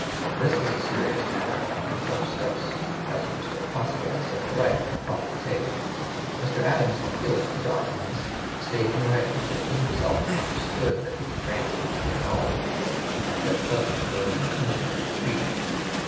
This was a serious matter, and such steps as were still possible to set it right were promptly taken. Mr. Adams appealed to Don Onis to state in writing that he himself had understood that these grants were to be annulled, and that such had been the intention of the treaty.